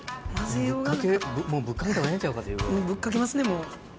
ぶっかけますねもう。